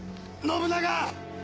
信長！